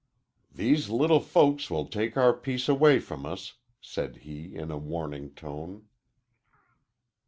"These little folks will take our peace away from us," said he, in a warning tone.